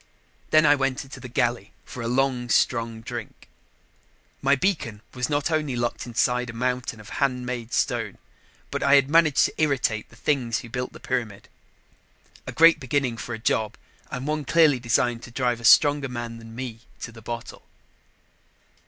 Then I went to the galley for a long, strong drink. My beacon was not only locked inside a mountain of handmade stone, but I had managed to irritate the things who had built the pyramid. A great beginning for a job and one clearly designed to drive a stronger man than me to the bottle.